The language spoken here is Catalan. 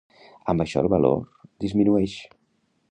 Amb això el valor disminueix.